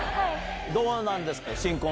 どうなんですか？